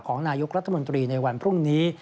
นายกรัฐมนตรีในวันพรุ่งนี้